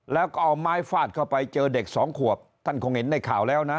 แล้วก็เอาไม้ฟาดเข้าไปเจอเด็กสองขวบท่านคงเห็นในข่าวแล้วนะ